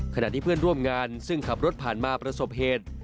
ขณะที่เพื่อนร่วมงานซึ่งขับรถผ่านมาประสบเหตุ